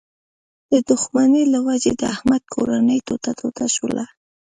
د دوښمنۍ له و جې د احمد کورنۍ ټوټه ټوټه شوله.